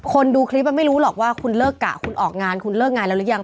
ดูคลิปมันไม่รู้หรอกว่าคุณเลิกกะคุณออกงานคุณเลิกงานแล้วหรือยัง